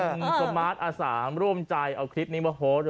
คุณสมาร์ทอาสามร่วมใจเอาคลิปนี้มาโพสต์